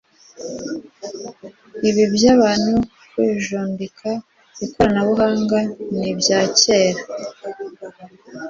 Ibi by’abantu kwijundika ikoranabuhanga ni ibya kera